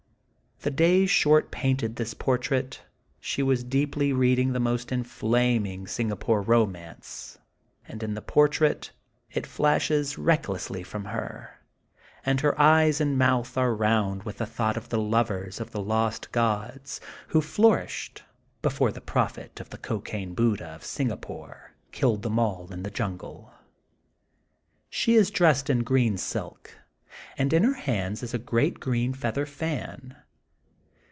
*' The days Short painted this portrait, she was deeply reading the most inflaming Singapo rian romance, and in the portrait it flashes recklessly from her, and her eyes and mouth are round with the thought of the loves of the lost gods, who flourished before the pro phet of the Cocaine Buddha of Singapore killed them all in the jungle. She is dressed in green silk and in her hands is a great green feather fan.